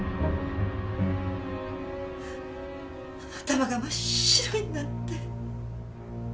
頭が真っ白になって。